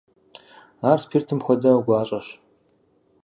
Ар спиртым хуэдэу гуащӀэщ.